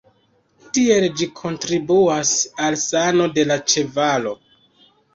Tiel ĝi kontribuas al sano de la ĉevalo.